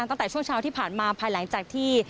ตั้งแต่ช่วงเช้าที่ผ่านมาภายหลังจากที่